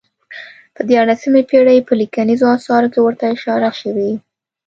په دیارلسمې پېړۍ په لیکنیزو اثارو کې ورته اشاره شوې.